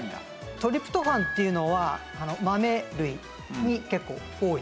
トリプトファンっていうのは豆類に結構多い。